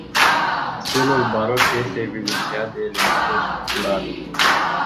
Stilul baroc este evidențiat de elementele structurale.